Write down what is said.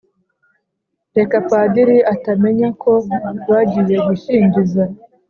reka padiri atamenya ko bagiye gushyingiza